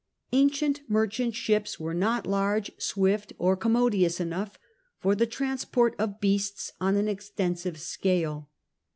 Ancient merchant ships were not large, swift, or commodious enough for the transport of beasts on an extensive scale.